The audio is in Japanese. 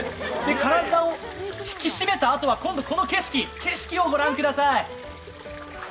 体を引き締めたあとは今度この景色をご覧ください。